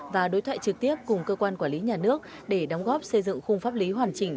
và đối thoại trực tiếp cùng cơ quan quản lý nhà nước để đóng góp xây dựng khung pháp lý hoàn chỉnh